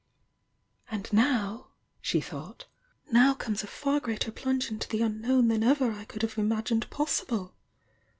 ^""^ "And now" sho thouKht^"Now comes a far Breater plunge mto the unknown than ever I could nave imagmed possible!"